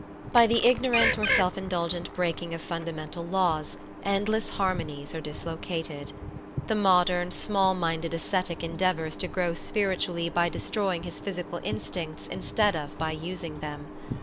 By the ignorant or self indulgent breaking of fundamental laws endless harmonies are dislocated. The modern, small minded ascetic endeavours to grow spiritually by destroying his physical instincts ^ instead of by using them.